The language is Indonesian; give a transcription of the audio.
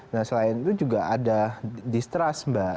nah selain itu juga ada distrust mbak